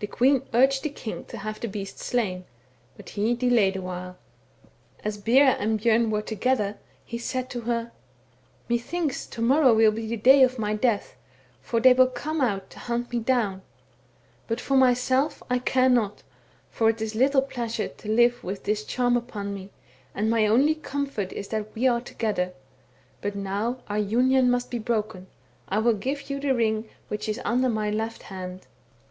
The queen urged the king to have the beast slain, but he delayed awhile. " One night, as Bera and Bjom were together, he said to her :—* Methinks to morrow will be the day of my death, for they will come out to hunt me down. But for myself I care not, for it is little pleasure to live .» with this charm upon me, and my only comfort is that we are together ; but now our union must be broken. I will give you the ring which is under my left hand.